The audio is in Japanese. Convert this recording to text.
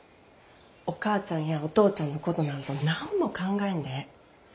お母ちゃんやお父ちゃんのことなんぞ何も考えんでええ。